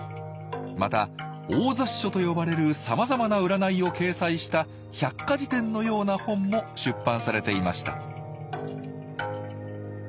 また「大雑書」と呼ばれるさまざまな占いを掲載した百科事典のような本も出版されていました